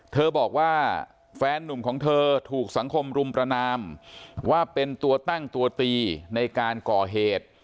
เธอบอกว่าแฟนนุ่มของเธอถูกสังคมรุมประนามว่าเป็นตัวตั้งตัวตีในการก่อเหตุ